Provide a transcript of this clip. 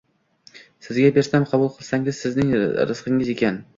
Sizga bersam, qabul qilsangiz, sizning rizqingiz ekan